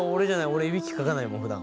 俺いびきかかないもんふだん。